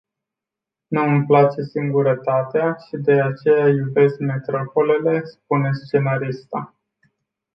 Nu îmi place singurătatea și de aceea iubesc metropolele spune scenarista.